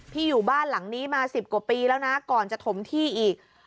อยู่บ้านหลังนี้มา๑๐กว่าปีแล้วนะก่อนจะถมที่อีก